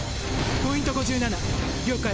ポイント５７了解。